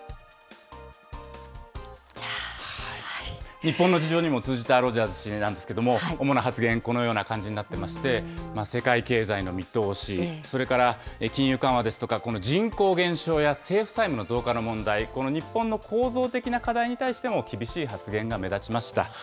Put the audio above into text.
日本の事情にも通じたロジャーズ氏なんですけれども、主な発言、このような感じになってまして、世界経済の見通し、それから金融緩和ですとか、この人口減少や政府債務の増加の問題、この日本の構造的な課題に対しても、厳しい発言が目立ちました。